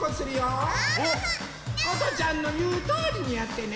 ことちゃんのいうとおりにやってね。